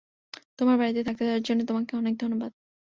তোমার বাড়িতে থাকতে দেওয়ার জন্য তোমাকে অনেক ধন্যবাদ।